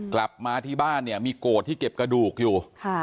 กลับมาที่บ้านเนี่ยมีโกรธที่เก็บกระดูกอยู่